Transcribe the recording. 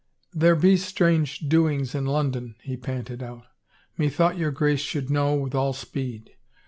" There be strange doings in London," he panted out; "methought your Grace should know with all speed.